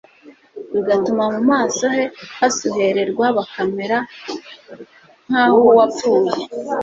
bigatuma mu maso he hasuhererwa hakamera nk'ah'uwapfuye.